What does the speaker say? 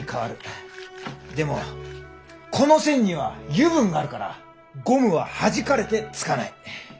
でもこの線には油分があるからゴムははじかれてつかない。